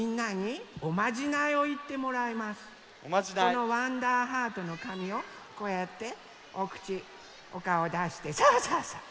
このわんだーハートのかみをこうやっておくちおかおをだしてそうそうそう！